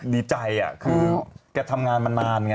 ดีใจคือแกทำงานมานานไง